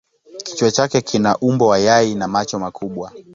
Kichwa chake kina umbo wa yai na macho makubwa.